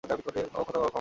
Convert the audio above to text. ওহ, ক্ষমা করবেন।